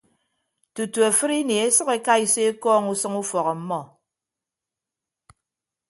Tutu afịdini esʌk ekaiso ekọọñ usʌñ ufọk ọmmọ.